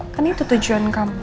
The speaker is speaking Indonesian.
kan itu tujuan kamu